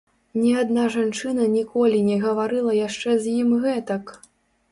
Ні адна жанчына ніколі не гаварыла яшчэ з ім гэтак.